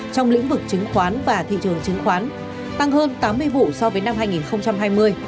trong lĩnh vực chứng khoán và thị trường chứng khoán tăng hơn tám mươi vụ so với năm hai nghìn hai mươi